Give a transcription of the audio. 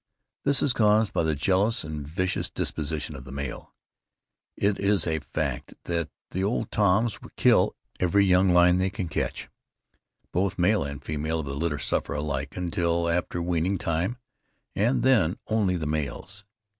This is caused by the jealous and vicious disposition of the male. It is a fact that the old Toms kill every young lion they can catch. Both male and female of the litter suffer alike until after weaning time, and then only the males.